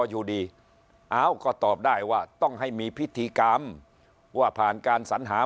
อยู่ดีเอ้าก็ตอบได้ว่าต้องให้มีพิธีกรรมว่าผ่านการสัญหา